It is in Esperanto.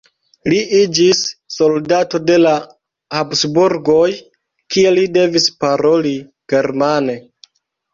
Li iĝis soldato de la Habsburgoj, kie li devis paroli germane.